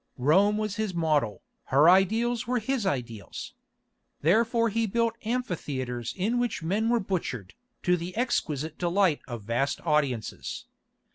Rome was his model, her ideals were his ideals. Therefore he built amphitheatres in which men were butchered, to the exquisite delight of vast audiences.